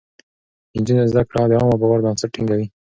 د نجونو زده کړه د عامه باور بنسټ ټينګوي.